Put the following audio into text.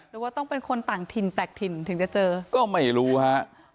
หรือว่าต้องเป็นคนต่างถิ่นแปลกถิ่นถึงจะเจอก็ไม่รู้ฮะ